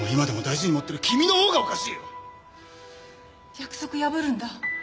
約束破るんだ？